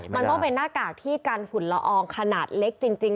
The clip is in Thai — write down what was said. มันต้องเป็นหน้ากากที่กันฝุ่นละอองขนาดเล็กจริง